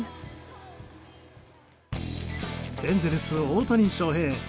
エンゼルス、大谷翔平。